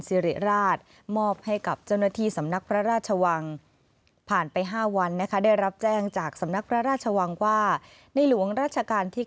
สิริราชมอบให้กับเจ้าหน้าที่สำนักพระราชวังผ่านไป๕วันนะคะได้รับแจ้งจากสำนักพระราชวังว่าในหลวงราชการที่๙